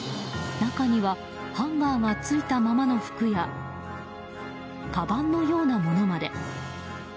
中にはハンガーがついたままの服やかばんのようなものまで。